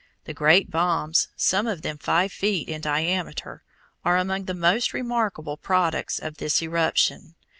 The great bombs, some of them five feet in diameter, are among the most remarkable products of this eruption.